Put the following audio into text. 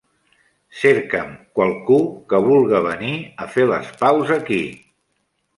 Cercam qualcú que vulga venir a fer les paus aquí.